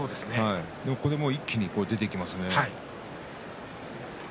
ここで一気に出ていきますね